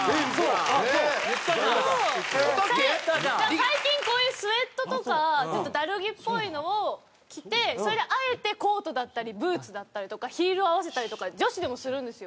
最近こういうスウェットとかちょっとダル着っぽいのを着てそれであえてコートだったりブーツだったりとかヒールを合わせたりとか女子でもするんですよ